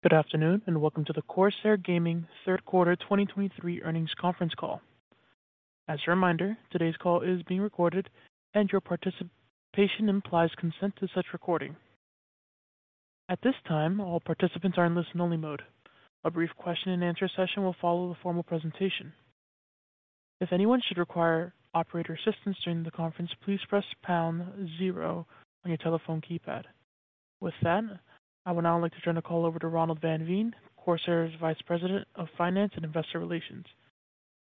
Good afternoon, and welcome to the CORSAIR Gaming Q3 2023 earnings conference call. As a reminder, today's call is being recorded, and your participation implies consent to such recording. At this time, all participants are in listen-only mode. A brief question-and-answer session will follow the formal presentation. If anyone should require operator assistance during the conference, please press pound zero on your telephone keypad. With that, I would now like to turn the call over to Ronald van Veen, CORSAIR's Vice President of Finance and Investor Relations.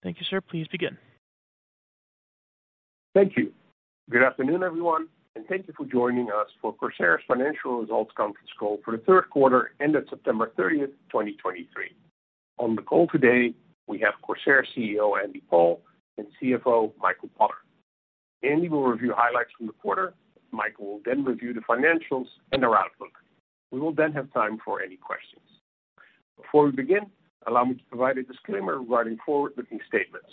Thank you, sir. Please begin. Thank you. Good afternoon, everyone, and thank you for joining us for CORSAIR's financial results conference call for the Q3 ended September 30, 2023. On the call today, we have CORSAIR CEO, Andy Paul, and CFO, Michael Potter. Andy will review highlights from the quarter. Michael will then review the financials and our outlook. We will then have time for any questions. Before we begin, allow me to provide a disclaimer regarding forward-looking statements.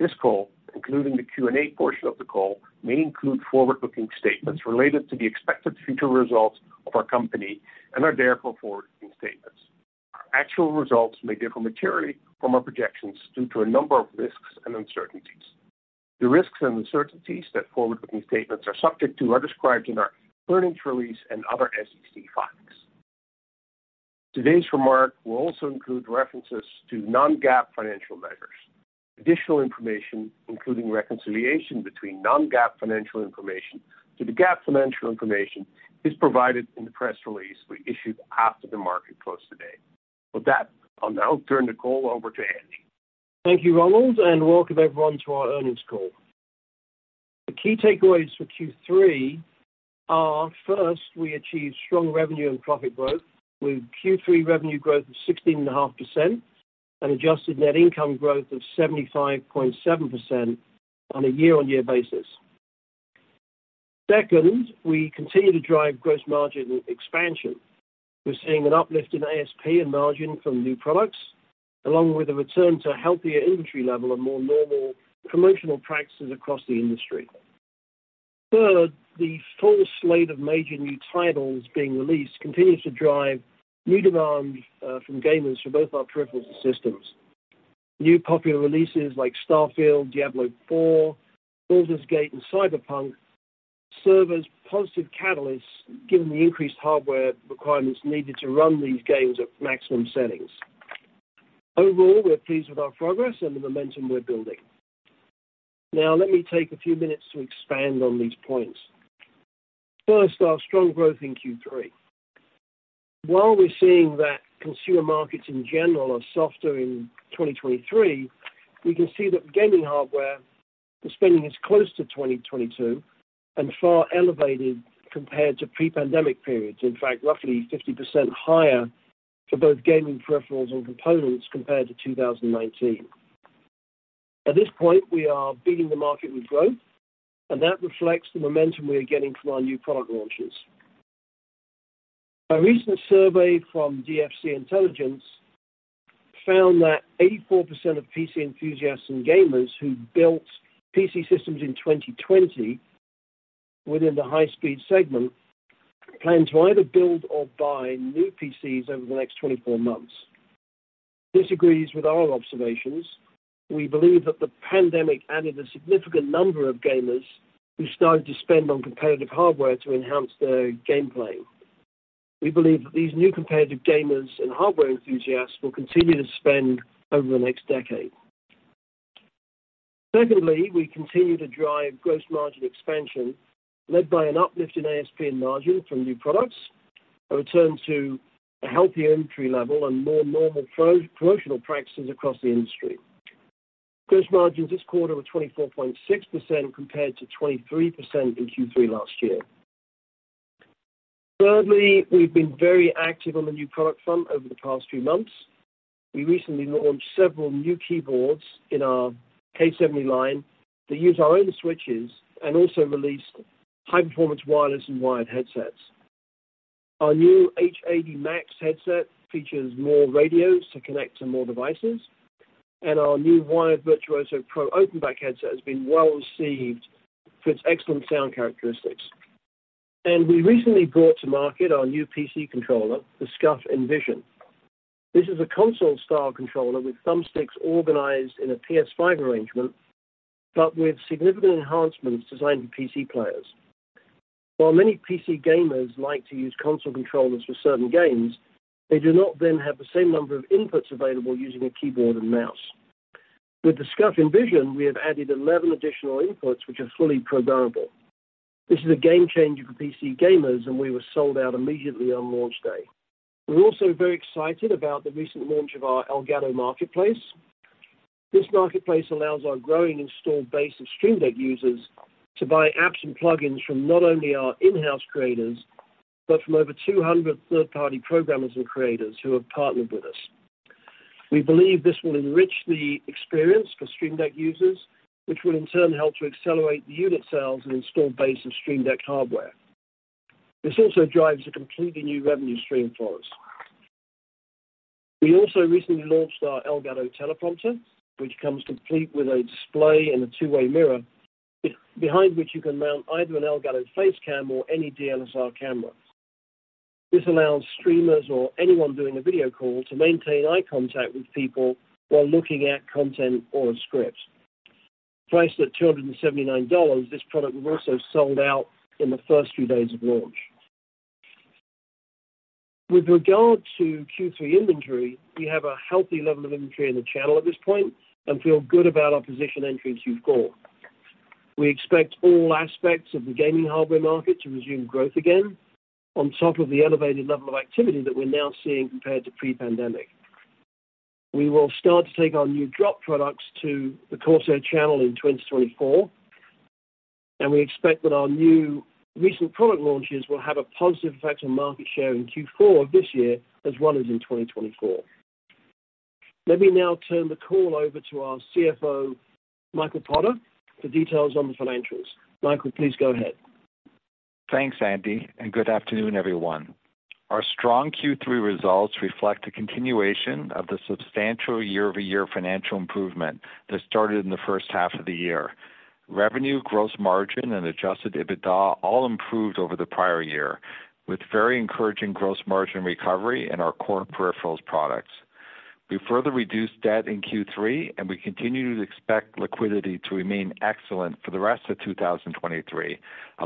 This call, including the Q&A portion of the call, may include forward-looking statements related to the expected future results of our company and are therefore forward-looking statements. Our actual results may differ materially from our projections due to a number of risks and uncertainties. The risks and uncertainties that forward-looking statements are subject to are described in our earnings release and other SEC filings. Today's remark will also include references to non-GAAP financial measures. Additional information, including reconciliation between non-GAAP financial information to the GAAP financial information, is provided in the press release we issued after the market close today. With that, I'll now turn the call over to Andy. Thank you, Ronald, and welcome everyone to our earnings call. The key takeaways for Q3 are: first, we achieved strong revenue and profit growth, with Q3 revenue growth of 16.5% and adjusted net income growth of 75.7% on a year-on-year basis. Second, we continue to drive gross margin expansion. We're seeing an uplift in ASP and margin from new products, along with a return to a healthier inventory level and more normal promotional practices across the industry. Third, the full slate of major new titles being released continues to drive new demand, from gamers for both our peripherals and systems. New popular releases like Starfield, Diablo IV, Baldur's Gate, and Cyberpunk serve as positive catalysts given the increased hardware requirements needed to run these games at maximum settings. Overall, we're pleased with our progress and the momentum we're building. Now, let me take a few minutes to expand on these points. First, our strong growth in Q3. While we're seeing that consumer markets in general are softer in 2023, we can see that gaming hardware spending is close to 2022 and far elevated compared to pre-pandemic periods. In fact, roughly 50% higher for both gaming peripherals and components compared to 2019. At this point, we are beating the market with growth, and that reflects the momentum we are getting from our new product launches. A recent survey from DFC Intelligence found that 84% of PC enthusiasts and gamers who built PC systems in 2020 within the high-speed segment plan to either build or buy new PCs over the next 24 months. This agrees with our observations. We believe that the pandemic added a significant number of gamers who started to spend on competitive hardware to enhance their gameplay. We believe that these new competitive gamers and hardware enthusiasts will continue to spend over the next decade. Secondly, we continue to drive gross margin expansion, led by an uplift in ASP and margin from new products, a return to a healthier entry level, and more normal promotional practices across the industry. Gross margins this quarter were 24.6%, compared to 23% in Q3 last year. Thirdly, we've been very active on the new product front over the past few months. We recently launched several new keyboards in our K70 line that use our own switches and also released high-performance wireless and wired headsets. Our new HS80 Max headset features more radios to connect to more devices, and our new wired Virtuoso Pro open-back headset has been well received for its excellent sound characteristics. We recently brought to market our new PC controller, the SCUF Envision. This is a console-style controller with thumbsticks organized in a PS5 arrangement, but with significant enhancements designed for PC players. While many PC gamers like to use console controllers for certain games, they do not then have the same number of inputs available using a keyboard and mouse. With the SCUF Envision, we have added 11 additional inputs, which are fully programmable. This is a game changer for PC gamers, and we were sold out immediately on launch day. We're also very excited about the recent launch of our Elgato Marketplace. This marketplace allows our growing installed base of Stream Deck users to buy apps and plugins from not only our in-house creators, but from over 200 third-party programmers and creators who have partnered with us. We believe this will enrich the experience for Stream Deck users, which will in turn help to accelerate the unit sales and installed base of Stream Deck hardware. This also drives a completely new revenue stream for us.... We also recently launched our Elgato Teleprompter, which comes complete with a display and a two-way mirror, behind which you can mount either an Elgato Facecam or any DSLR camera. This allows streamers or anyone doing a video call to maintain eye contact with people while looking at content or a script. Priced at $279, this product was also sold out in the first few days of launch. With regard to Q3 inventory, we have a healthy level of inventory in the channel at this point and feel good about our position entering Q4. We expect all aspects of the gaming hardware market to resume growth again on top of the elevated level of activity that we're now seeing compared to pre-pandemic. We will start to take our new Drop products to the CORSAIR channel in 2024, and we expect that our new recent product launches will have a positive effect on market share in Q4 of this year as well as in 2024. Let me now turn the call over to our CFO, Michael Potter, for details on the financials. Michael, please go ahead. Thanks, Andy, and good afternoon, everyone. Our strong Q3 results reflect a continuation of the substantial year-over-year financial improvement that started in the first half of the year. Revenue, Gross Margin, and Adjusted EBITDA all improved over the prior year, with very encouraging Gross Margin recovery in our core peripherals products. We further reduced debt in Q3, and we continue to expect liquidity to remain excellent for the rest of 2023,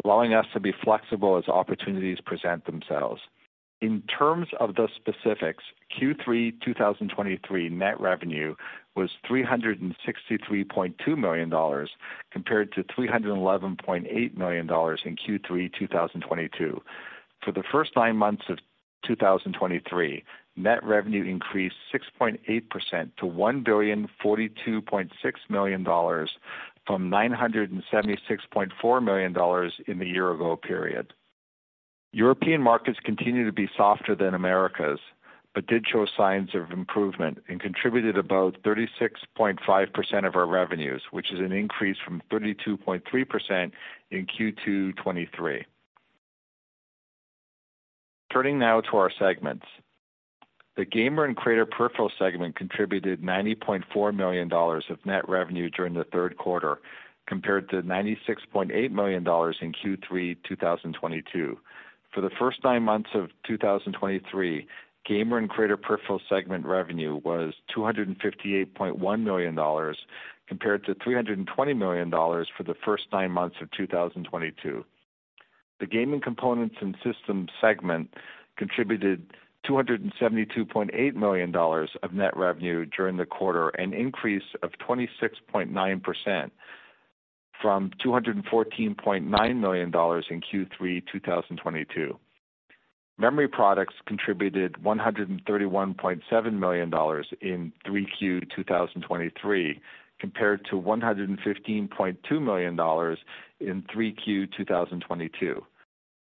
allowing us to be flexible as opportunities present themselves. In terms of the specifics, Q3 2023 net revenue was $363.2 million, compared to $311.8 million in Q3 2022. For the first nine months of 2023, net revenue increased 6.8% to $1,042.6 million, from $976.4 million in the year ago period. European markets continue to be softer than Americas, but did show signs of improvement and contributed about 36.5% of our revenues, which is an increase from 32.3% in Q2 2023. Turning now to our segments. The Gamer and Creator Peripheral segment contributed $90.4 million of net revenue during the third quarter, compared to $96.8 million in Q3 2022. For the first nine months of 2023, Gamer and Creator Peripheral segment revenue was $258.1 million, compared to $320 million for the first nine months of 2022. The Gaming Components and Systems segment contributed $272.8 million of net revenue during the quarter, an increase of 26.9% from $214.9 million in Q3 2022. Memory Products contributed $131.7 million in Q3 2023, compared to $115.2 million in Q3 2022.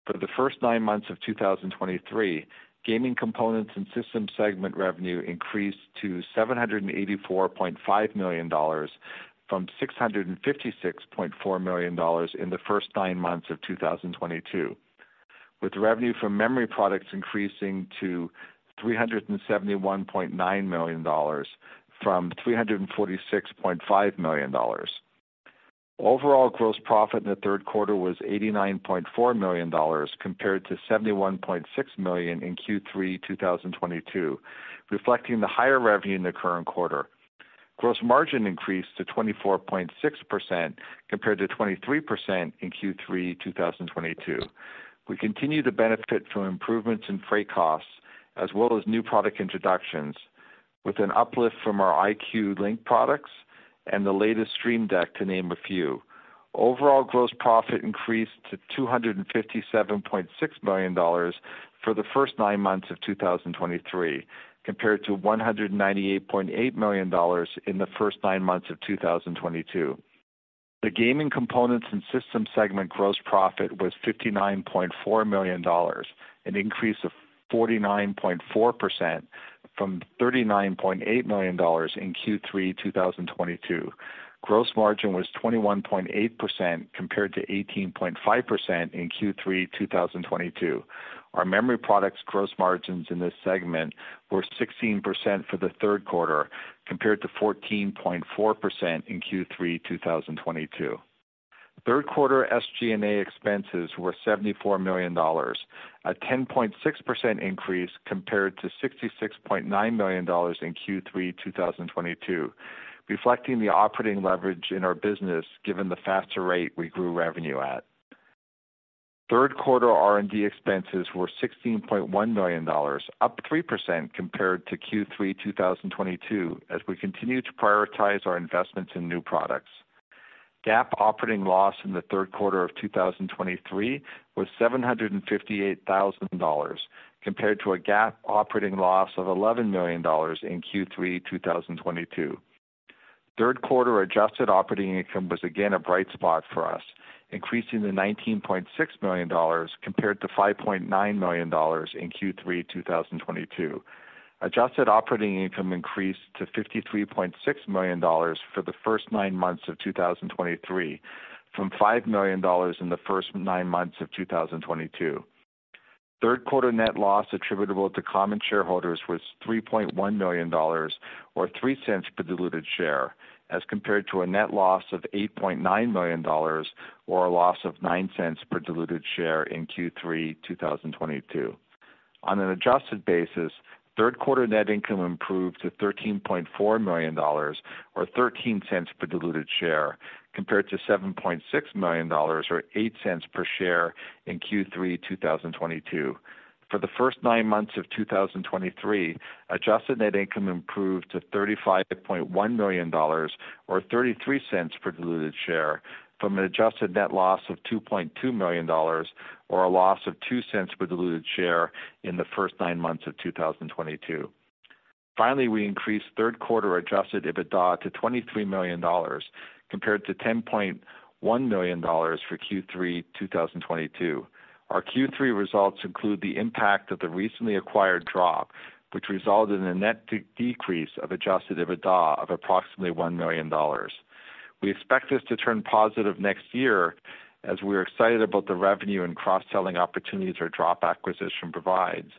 For the first nine months of 2023, Gaming Components and Systems segment revenue increased to $784.5 million from $656.4 million in the first nine months of 2022, with revenue from Memory Products increasing to $371.9 million from $346.5 million. Overall, gross profit in the third Quarter was $89.4 million, compared to $71.6 million in Q3 2022, reflecting the higher revenue in the current quarter. Gross margin increased to 24.6%, compared to 23% in Q3 2022. We continue to benefit from improvements in freight costs as well as new product introductions, with an uplift from our iCUE LINK products and the latest Stream Deck, to name a few. Overall, gross profit increased to $257.6 million for the first nine months of 2023, compared to $198.8 million in the first nine months of 2022. The Gaming Components and Systems segment gross profit was $59.4 million, an increase of 49.4% from $39.8 million in Q3 2022. Gross margin was 21.8%, compared to 18.5% in Q3 2022. Our Memory Products gross margins in this segment were 16% for the third quarter, compared to 14.4% in Q3 2022. Third quarter SG&A expenses were $74 million, a 10.6% increase compared to $66.9 million in Q3 2022, reflecting the operating leverage in our business given the faster rate we grew revenue at. Third quarter R&D expenses were $16.1 million, up 3% compared to Q3 2022, as we continue to prioritize our investments in new products. GAAP operating loss in the Third quarter of 2023 was $758,000, compared to a GAAP operating loss of $11 million in Q3 2022. Third quarter adjusted operating income was again a bright spot for us, increasing to $19.6 million compared to $5.9 million in Q3 2022. Adjusted operating income increased to $53.6 million for the first nine months of 2023 from $5 million in the first nine months of 2022. Third quarter net loss attributable to common shareholders was $3.1 million, or $0.03 per diluted share, as compared to a net loss of $8.9 million, or a loss of $0.09 per diluted share in Q3 2022. On an adjusted basis, third quarter net income improved to $13.4 million, or $0.13 per diluted share, compared to $7.6 million or $0.08 per share in Q3 2022. For the first nine months of 2023, adjusted net income improved to $35.1 million or $0.33 per diluted share, from an adjusted net loss of $2.2 million or a loss of $0.02 per diluted share in the first nine months of 2022. Finally, we increased third quarter adjusted EBITDA to $23 million, compared to $10.1 million for Q3 2022. Our Q3 results include the impact of the recently acquired Drop, which resulted in a net decrease of adjusted EBITDA of approximately $1 million. We expect this to turn positive next year as we are excited about the revenue and cross-selling opportunities our Drop acquisition provides,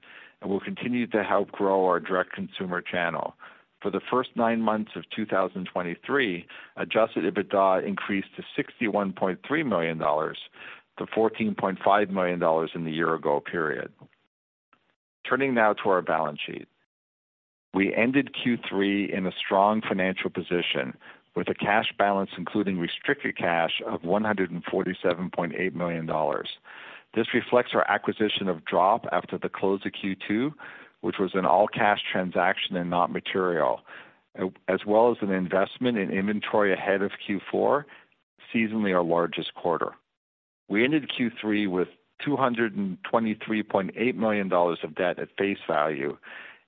and will continue to help grow our direct consumer channel. For the first nine months of 2023, adjusted EBITDA increased to $61.3 million to $14.5 million in the year ago period. Turning now to our balance sheet. We ended Q3 in a strong financial position, with a cash balance, including restricted cash, of $147.8 million. This reflects our acquisition of Drop after the close of Q2, which was an all-cash transaction and not material, as well as an investment in inventory ahead of Q4, seasonally, our largest quarter. We ended Q3 with $223.8 million of debt at face value,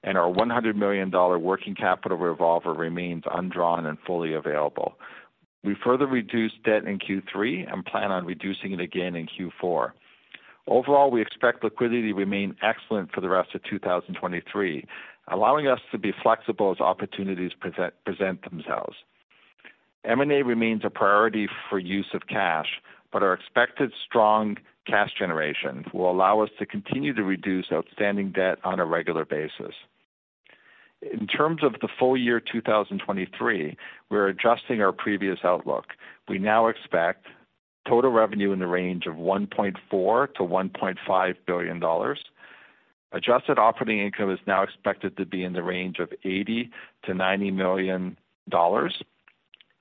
and our $100 million working capital revolver remains undrawn and fully available. We further reduced debt in Q3 and plan on reducing it again in Q4. Overall, we expect liquidity to remain excellent for the rest of 2023, allowing us to be flexible as opportunities present themselves. M&A remains a priority for use of cash, but our expected strong cash generation will allow us to continue to reduce outstanding debt on a regular basis. In terms of the full year 2023, we're adjusting our previous outlook. We now expect total revenue in the range of $1.4 billion-$1.5 billion. Adjusted operating income is now expected to be in the range of $80 million-$90 million,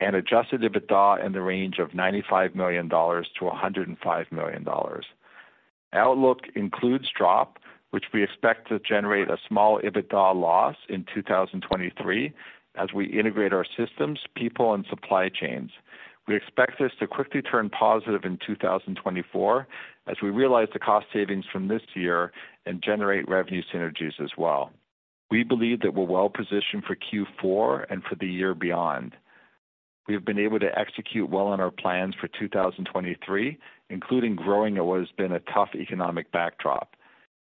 and adjusted EBITDA in the range of $95 million-$105 million. Outlook includes Drop, which we expect to generate a small EBITDA loss in 2023 as we integrate our systems, people, and supply chains. We expect this to quickly turn positive in 2024 as we realize the cost savings from this year and generate revenue synergies as well. We believe that we're well positioned for Q4 and for the year beyond. We have been able to execute well on our plans for 2023, including growing in what has been a tough economic backdrop.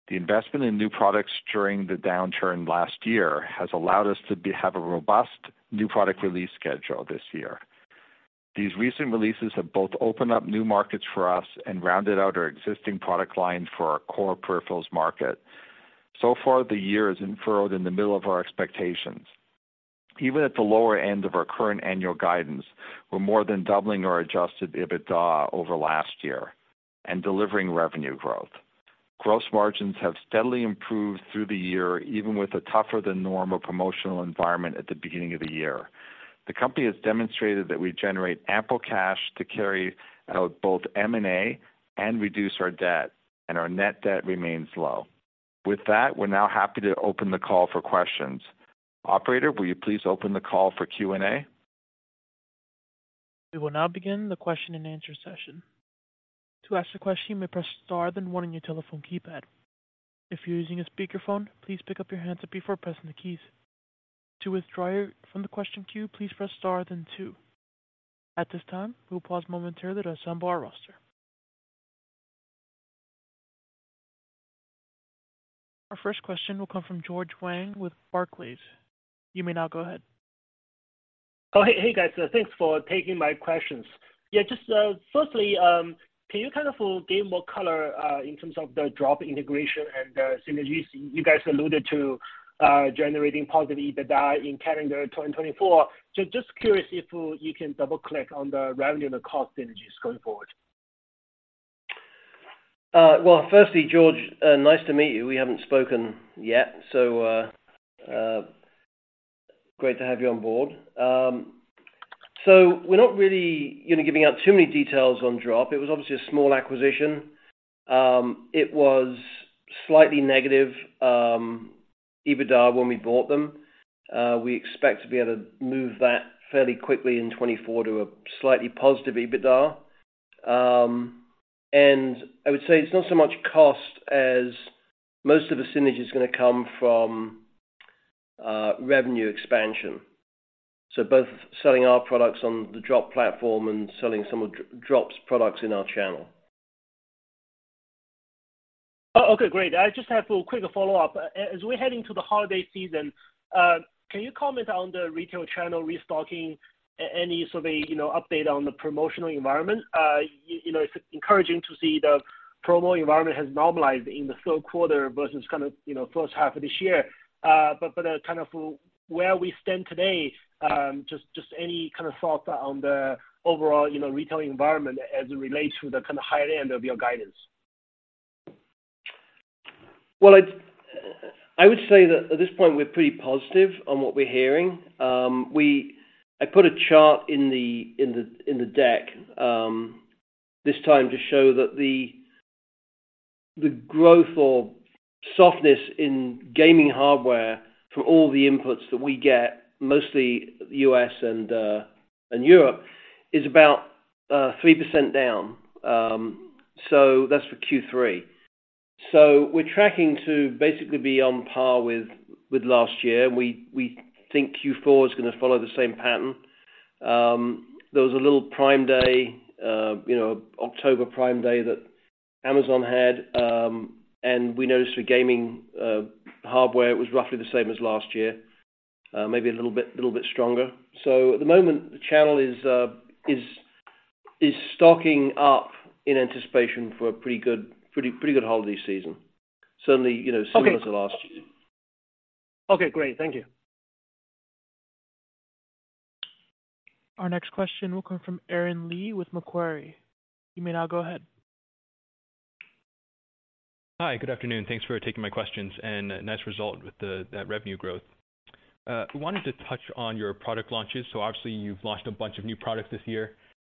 The investment in new products during the downturn last year has allowed us to have a robust new product release schedule this year. These recent releases have both opened up new markets for us and rounded out our existing product line for our core peripherals market. So far, the year has unfolded in the middle of our expectations. Even at the lower end of our current annual guidance, we're more than doubling our adjusted EBITDA over last year and delivering revenue growth. Gross margins have steadily improved through the year, even with a tougher than normal promotional environment at the beginning of the year. The company has demonstrated that we generate ample cash to carry out both M&A and reduce our debt, and our net debt remains low. With that, we're now happy to open the call for questions. Operator, will you please open the call for Q&A? We will now begin the question and answer session. To ask a question, you may press star then one on your telephone keypad. If you're using a speakerphone, please pick up your handset before pressing the keys. To withdraw your question from the question queue, please press star then two. At this time, we will pause momentarily to assemble our roster. Our first question will come from George Wang with Barclays. You may now go ahead. Oh, hey, hey, guys. Thanks for taking my questions. Yeah, just, firstly, can you kind of give more color in terms of the Drop integration and the synergies you guys alluded to, generating positive EBITDA in calendar 2024. So just curious if you can double-click on the revenue and the cost synergies going forward. Well, firstly, George, nice to meet you. We haven't spoken yet, so, great to have you on board. So we're not really, you know, giving out too many details on Drop. It was obviously a small acquisition. It was slightly negative EBITDA when we bought them. We expect to be able to move that fairly quickly in 2024 to a slightly positive EBITDA. And I would say it's not so much cost as most of the synergy is gonna come from revenue expansion. So both selling our products on the Drop platform and selling some of Drop's products in our channel. Oh, okay, great. I just have a quick follow-up. As we're heading to the holiday season, can you comment on the retail channel restocking, and any sort of, you know, update on the promotional environment? You know, it's encouraging to see the promo environment has normalized in the third quarter versus kind of, you know, first half of this year. But, kind of where we stand today, just any kind of thoughts on the overall, you know, retail environment as it relates to the kind of higher end of your guidance? Well, I would say that at this point, we're pretty positive on what we're hearing. I put a chart in the deck this time to show that the growth or softness in gaming hardware from all the inputs that we get, mostly U.S. and Europe, is about 3% down. So that's for Q3. So we're tracking to basically be on par with last year. We think Q4 is gonna follow the same pattern. There was a little Prime Day, you know, October Prime Day that Amazon had, and we noticed for gaming hardware, it was roughly the same as last year, maybe a little bit stronger. So at the moment, the channel is stocking up in anticipation for a pretty good holiday season. Certainly, you know- Okay Similar to last year. Okay, great. Thank you. Our next question will come from Aaron Lee with Macquarie. You may now go ahead. Hi, good afternoon. Thanks for taking my questions, and nice result with the, that revenue growth. I wanted to touch on your product launches. Obviously, you've launched a bunch of new products this year.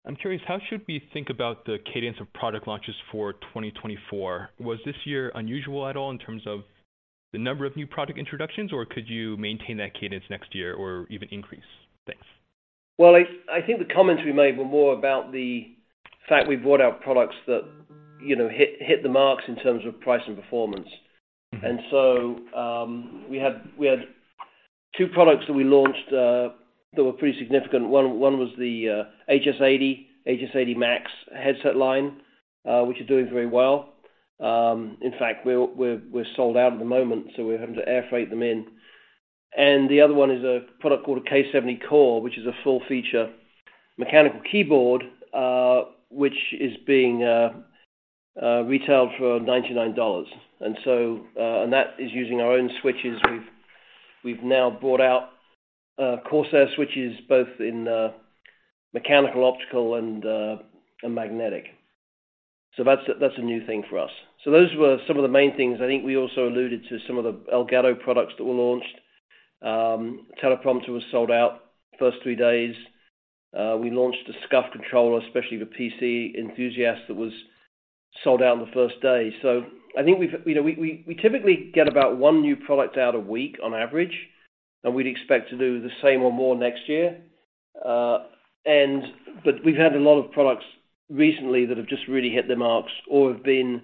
I'm curious, how should we think about the cadence of product launches for 2024? Was this year unusual at all in terms of the number of new product introductions, or could you maintain that cadence next year or even increase? Thanks. Well, I think the comments we made were more about the fact we brought out products that, you know, hit the marks in terms of price and performance. Mm-hmm. We had two products that we launched that were pretty significant. One was the HS80 Max headset line, which is doing very well. In fact, we're sold out at the moment, so we're having to air freight them in. The other one is a product called a K70 Core, which is a full-feature mechanical keyboard, which is being retailed for $99. And that is using our own switches. We've now brought out CORSAIR switches, both in mechanical, optical, and magnetic. So that's a new thing for us. So those were some of the main things. I think we also alluded to some of the Elgato products that were launched. Teleprompter was sold out first three days. We launched a SCUF controller, especially the PC Enthusiast, that was sold out on the first day. So I think we've—you know, we typically get about one new product out a week on average, and we'd expect to do the same or more next year. But we've had a lot of products recently that have just really hit the marks or have been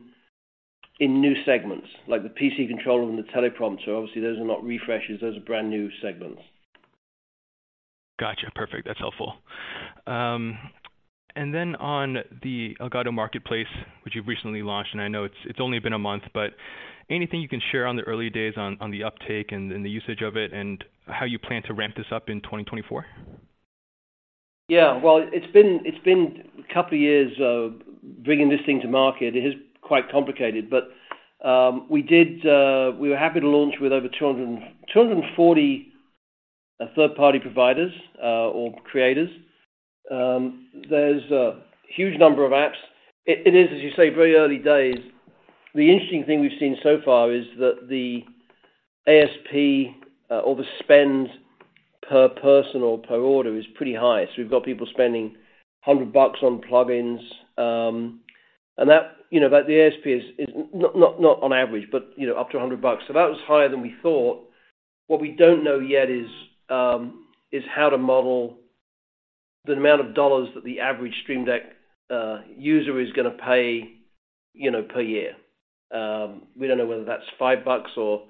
in new segments, like the PC controller and the Teleprompter. Obviously, those are not refreshes, those are brand new segments. Gotcha. Perfect. That's helpful. And then on the Elgato marketplace, which you've recently launched, and I know it's only been a month, but anything you can share on the early days on the uptake and the usage of it and how you plan to ramp this up in 2024? Yeah, well, it's been, it's been a couple of years of bringing this thing to market. It is quite complicated, but we did, we were happy to launch with over 240 third-party providers, or creators. There's a huge number of apps. It, it is, as you say, very early days. The interesting thing we've seen so far is that the ASP, or the spend per person or per order, is pretty high. So we've got people spending $100 on plugins, and that, you know, but the ASP is not on average, but, you know, up to $100. So that was higher than we thought. What we don't know yet is how to model the amount of dollars that the average Stream Deck user is gonna pay, you know, per year. We don't know whether that's $5 or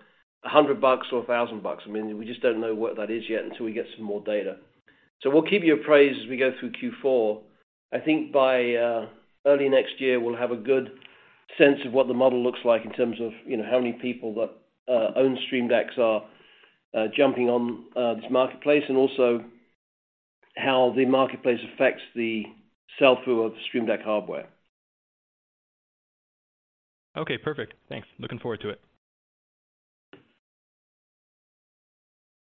$100 or $1,000. I mean, we just don't know what that is yet until we get some more data. So we'll keep you apprised as we go through Q4. I think by early next year, we'll have a good sense of what the model looks like in terms of, you know, how many people that own Stream Decks are jumping on this marketplace, and also how the marketplace affects the sell-through of the Stream Deck hardware. Okay, perfect. Thanks. Looking forward to it.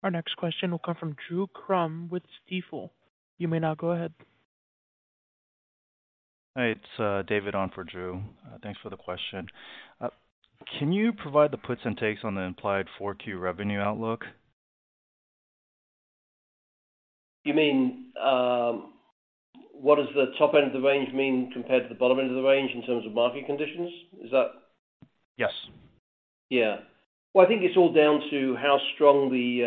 Our next question will come from Drew Crum with Stifel. You may now go ahead. Hi, it's David on for Drew. Thanks for the question. Can you provide the puts and takes on the implied 4Q revenue outlook? You mean, what does the top end of the range mean compared to the bottom end of the range in terms of market conditions? Is that- Yes. Yeah. Well, I think it's all down to how strong the,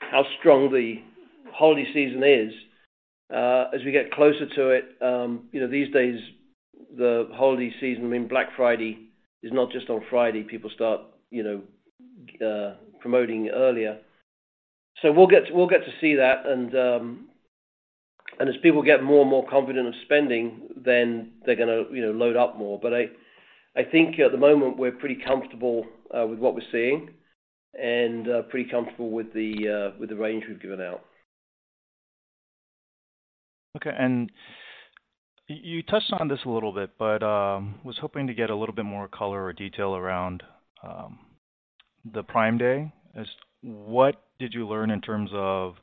how strong the holiday season is. As we get closer to it, you know, these days, the holiday season, I mean, Black Friday, is not just on Friday. People start, you know, promoting earlier. So we'll get, we'll get to see that, and, and as people get more and more confident of spending, then they're going to, you know, load up more. But I, I think at the moment, we're pretty comfortable, with what we're seeing and, pretty comfortable with the, with the range we've given out. Okay. And you touched on this a little bit, but was hoping to get a little bit more color or detail around the Prime Day. As what did you learn in terms of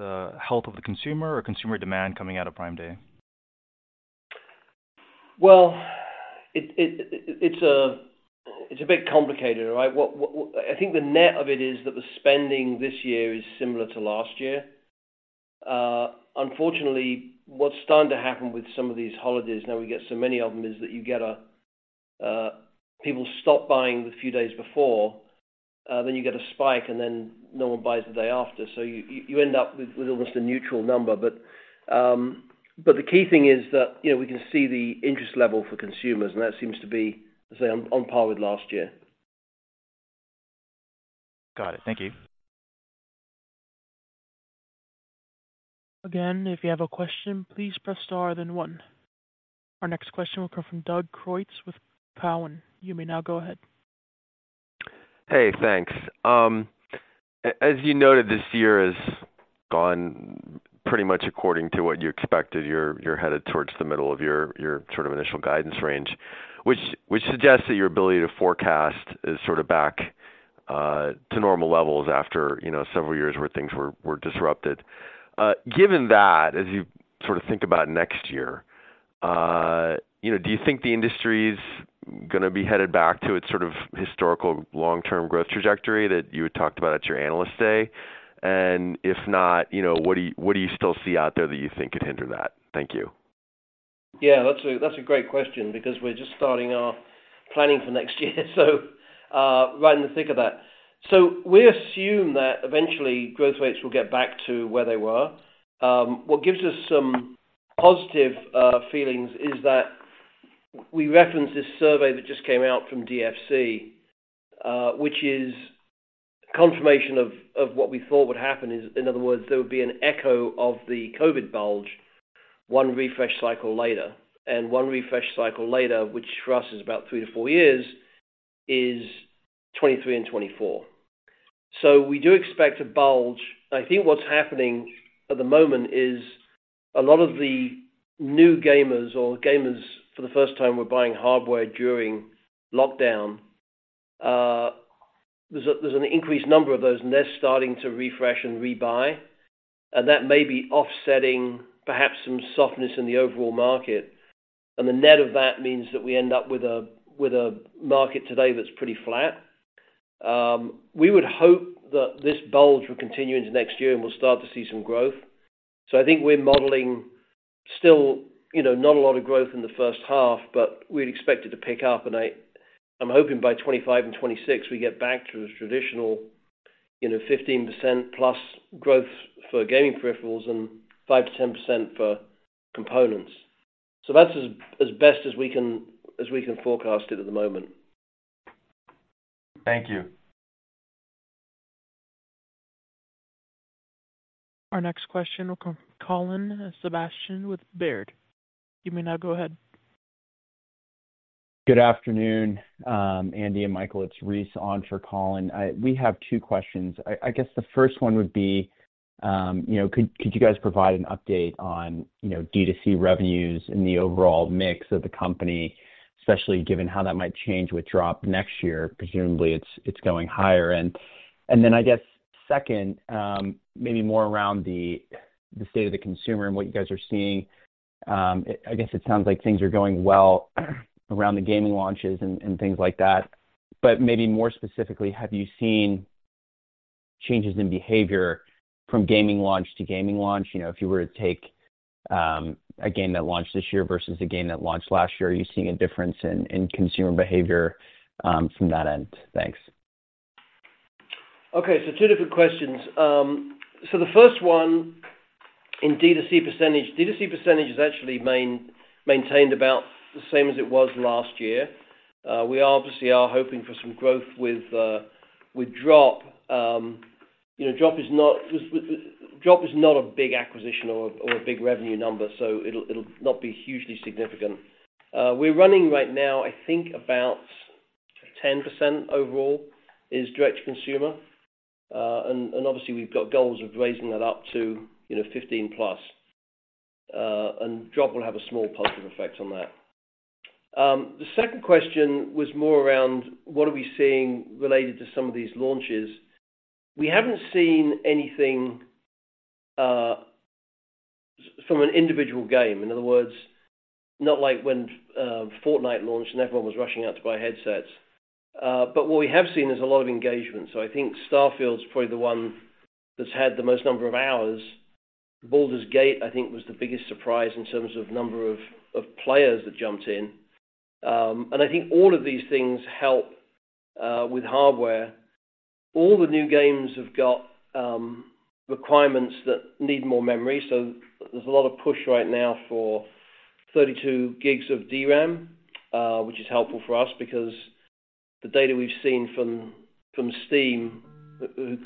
the health of the consumer or consumer demand coming out of Prime Day? Well, it's a bit complicated, right? I think the net of it is that the spending this year is similar to last year. Unfortunately, what's starting to happen with some of these holidays, now we get so many of them, is that you get a... people stop buying a few days before, then you get a spike, and then no one buys the day after. So you end up with almost a neutral number. But, but the key thing is that, you know, we can see the interest level for consumers, and that seems to be, I say, on par with last year. Got it. Thank you. Again, if you have a question, please press Star, then One. Our next question will come from Doug Creutz with Cowen. You may now go ahead. Hey, thanks. As you noted, this year has gone pretty much according to what you expected. You're headed towards the middle of your sort of initial guidance range, which suggests that your ability to forecast is sort of back to normal levels after, you know, several years where things were disrupted. Given that, as you sort of think about next year, you know, do you think the industry's gonna be headed back to its sort of historical long-term growth trajectory that you had talked about at your Analyst Day? And if not, you know, what do you still see out there that you think could hinder that? Thank you. Yeah, that's a great question because we're just starting our planning for next year, so right in the thick of that. So we assume that eventually growth rates will get back to where they were. What gives us some positive feelings is that we referenced this survey that just came out from DFC, which is confirmation of what we thought would happen. In other words, there would be an echo of the COVID bulge one refresh cycle later. And one refresh cycle later, which for us is about 3-4 years, is 2023 and 2024. So we do expect a bulge. I think what's happening at the moment is a lot of the new gamers or gamers for the first time were buying hardware during lockdown. There's an increased number of those, and they're starting to refresh and rebuy, and that may be offsetting perhaps some softness in the overall market. And the net of that means that we end up with a market today that's pretty flat. We would hope that this bulge will continue into next year, and we'll start to see some growth. So I think we're modeling still, you know, not a lot of growth in the first half, but we'd expect it to pick up. And I'm hoping by 2025 and 2026, we get back to the traditional, you know, 15%+ growth for gaming peripherals and 5%-10% for components. So that's as best as we can forecast it at the moment. Thank you. Our next question will come... Colin Sebastian with Baird. You may now go ahead. Good afternoon, Andy and Michael. It's Reese on for Colin. We have two questions. I guess the first one would be, you know, could you guys provide an update on, you know, D2C revenues and the overall mix of the company, especially given how that might change with Drop next year? Presumably, it's going higher. And then I guess second, maybe more around the state of the consumer and what you guys are seeing. I guess it sounds like things are going well around the gaming launches and things like that. But maybe more specifically, have you seen changes in behavior from gaming launch to gaming launch? You know, if you were to take a game that launched this year versus a game that launched last year, are you seeing a difference in consumer behavior from that end? Thanks. Okay, so two different questions. So the first one, in D2C percentage. D2C percentage is actually maintained about the same as it was last year. We obviously are hoping for some growth with Drop. You know, Drop is not Drop is not a big acquisition or a big revenue number, so it'll not be hugely significant. We're running right now, I think, about 10% overall is direct-to-consumer. And obviously, we've got goals of raising that up to, you know, 15+, and Drop will have a small positive effect on that. The second question was more around what are we seeing related to some of these launches? We haven't seen anything from an individual game. In other words, not like when Fortnite launched, and everyone was rushing out to buy headsets. But what we have seen is a lot of engagement. So I think Starfield is probably the one that's had the most number of hours. Baldur's Gate, I think, was the biggest surprise in terms of number of players that jumped in. And I think all of these things help with hardware. All the new games have got requirements that need more memory, so there's a lot of push right now for 32 GB of DRAM, which is helpful for us because the data we've seen from Steam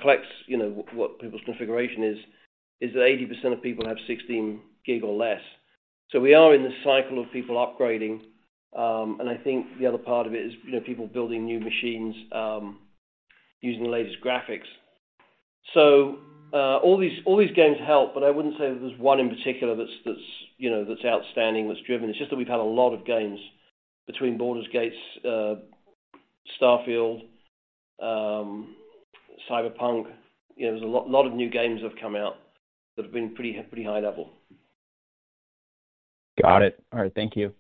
collects what people's configuration is, is that 80% of people have 16 GB or less. So we are in this cycle of people upgrading, and I think the other part of it is, you know, people building new machines using the latest graphics. So, all these, all these games help, but I wouldn't say there's one in particular that's, you know, that's outstanding, that's driven. It's just that we've had a lot of games between Baldur's Gate, Starfield, Cyberpunk, you know, there's a lot, lot of new games have come out that have been pretty, pretty high level. Got it. All right, thank you.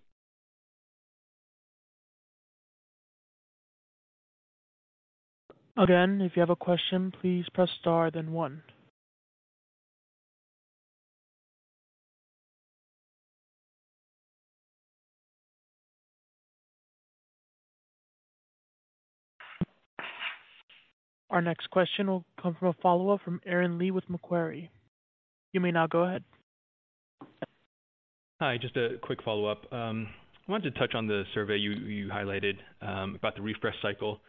Again, if you have a question, please press star, then one. Our next question will come from a follow-up from Aaron Lee with Macquarie. You may now go ahead. Hi, just a quick follow-up. I wanted to touch on the survey you highlighted about the refresh cycle.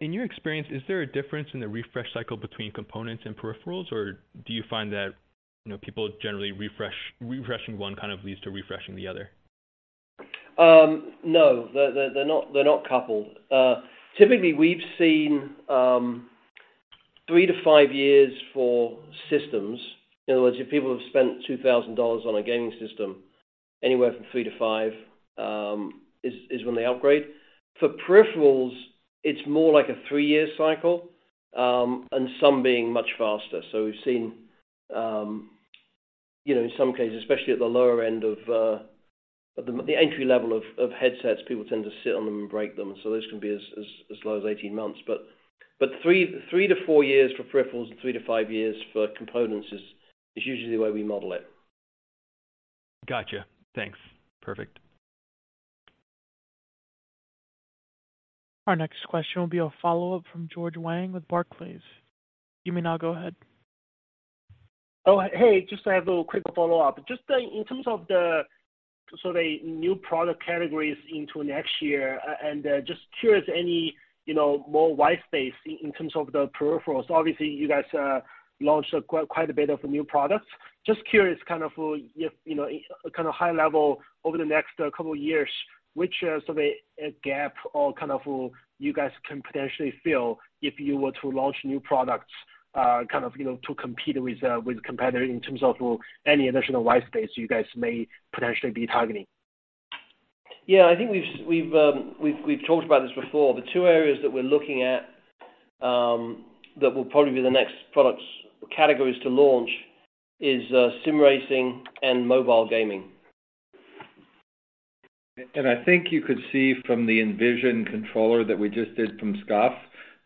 In your experience, is there a difference in the refresh cycle between components and peripherals, or do you find that, you know, people generally refreshing one kind of leads to refreshing the other? No, they're not coupled. Typically, we've seen 3-5 years for systems. In other words, if people have spent $2,000 on a gaming system, anywhere from 3-5 years is when they upgrade. For peripherals, it's more like a 3-year cycle, and some being much faster. So we've seen, you know, in some cases, especially at the lower end of the entry level of headsets, people tend to sit on them and break them, so this can be as low as 18 months. But 3-4 years for peripherals and 3-5 years for components is usually the way we model it. Gotcha. Thanks. Perfect. Our next question will be a follow-up from George Wang with Barclays. You may now go ahead. Oh, hey, just I have a little quick follow-up. Just, in terms of the sort of new product categories into next year, and just curious, any you know more white space in terms of the peripherals? Obviously, you guys launched quite a bit of new products. Just curious, kind of if you know kind of high level over the next couple years, which sort of a gap or kind of you guys can potentially fill if you were to launch new products, kind of you know to compete with competitors in terms of any additional white space you guys may potentially be targeting? Yeah, I think we've talked about this before. The two areas that we're looking at that will probably be the next products categories to launch is Sim Racing and mobile gaming. I think you could see from the SCUF Envision controller that we just did from SCUF.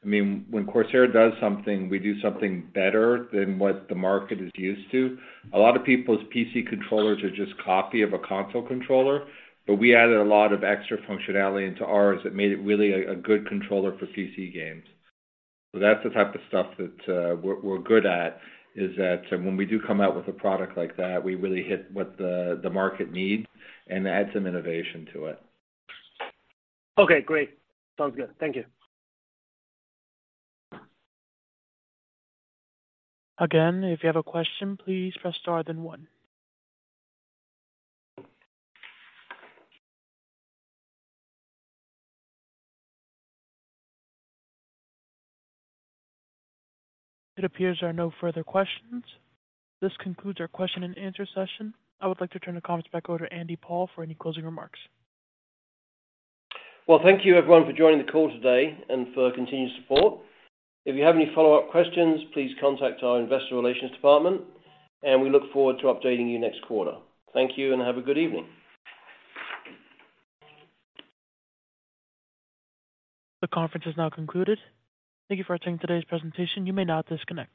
I mean, when CORSAIR does something, we do something better than what the market is used to. A lot of people's PC controllers are just copy of a console controller, but we added a lot of extra functionality into ours that made it really a good controller for PC games. So that's the type of stuff that we're good at, is that when we do come out with a product like that, we really hit what the market needs and add some innovation to it. Okay, great. Sounds good. Thank you. Again, if you have a question, please press star then one. It appears there are no further questions. This concludes our question and answer session. I would like to turn the conference back over to Andy Paul for any closing remarks. Well, thank you, everyone, for joining the call today and for your continued support. If you have any follow-up questions, please contact our investor relations department, and we look forward to updating you next quarter. Thank you, and have a good evening. The conference is now concluded. Thank you for attending today's presentation. You may now disconnect.